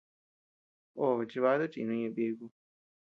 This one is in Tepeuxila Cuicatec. Obe chibatu chinuñ ñeʼe biku.